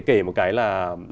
có thể kể một cái là